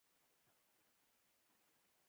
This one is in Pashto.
کوچنی کوچنی ګېلې چې تکرار شي ،اخير په حقيقت بدلي شي